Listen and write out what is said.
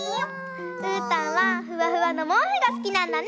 うーたんはフワフワのもうふがすきなんだね。